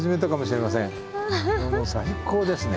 もう最高ですね。